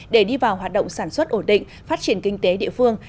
để đi vào hoạt động sản xuất ổn định phát triển kinh tế địa phương